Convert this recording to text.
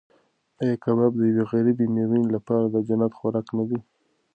ایا کباب د یوې غریبې مېرمنې لپاره د جنت خوراک نه دی؟